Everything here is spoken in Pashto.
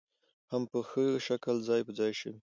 هم په ښه شکل ځاى په ځاى شوې